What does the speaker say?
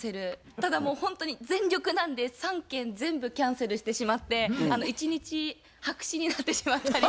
ただもうほんとに全力なんで３件全部キャンセルしてしまって一日白紙になってしまったりっていうのも。